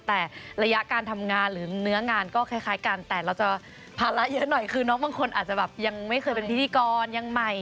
แต่ระยะการทำงานหรือเนื้องานก็คล้ายกันแต่เราจะภาระเยอะหน่อยคือน้องบางคนอาจจะแบบยังไม่เคยเป็นพิธีกรยังใหม่